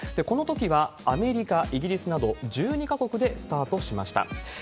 このときはアメリカ、イギリスなど、１２か国でスタートしました。